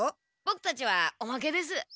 ボクたちはおまけです。